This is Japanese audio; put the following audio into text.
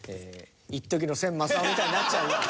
一時の千昌夫みたいになっちゃうよ。